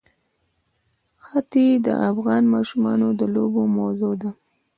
ښتې د افغان ماشومانو د لوبو موضوع ده.